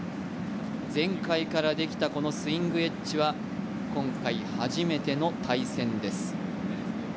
前回からできたこのスイングエッジは今回初めての対戦です。